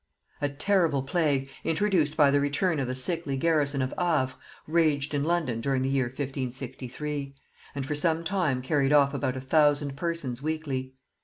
A terrible plague, introduced by the return of the sickly garrison of Havre, raged in London during the year 1563, and for some time carried off about a thousand persons weekly.